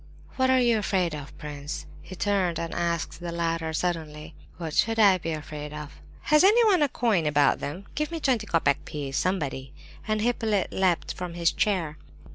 "What are you afraid of, prince?" he turned and asked the latter suddenly. "What should I be afraid of?" "Has anyone a coin about them? Give me a twenty copeck piece, somebody!" And Hippolyte leapt from his chair.